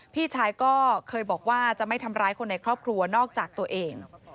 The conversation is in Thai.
พี่ชายก็เคยบอกว่าจะไม่ทำร้ายคนในครอบครัวนอกจากตัวเอง